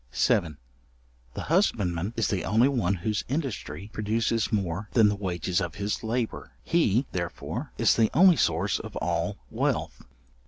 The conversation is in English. §7. The husbandman is the only one whose industry produces more than the wages of his labour. He, therefore, is the only source of all Wealth.